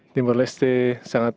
timur leste sangat